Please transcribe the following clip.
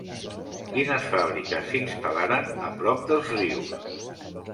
Quines fabriques s'instal·laren a prop dels rius?